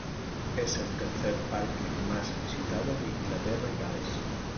Es el tercer parque más visitado de Inglaterra y Gales.